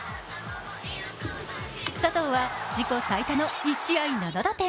佐藤は自己最多の１試合７打点。